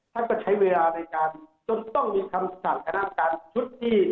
ท่านก็ใช้เวลาในการจนต้องมีคำสั่งคณะการชุดที่